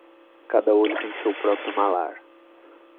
Cada olho tem seu próprio malar.